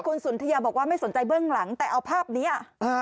คุณสนทยาบอกว่าไม่สนใจเบื้องหลังแต่เอาภาพนี้